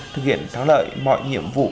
thực hiện thắng lợi mọi nhiệm vụ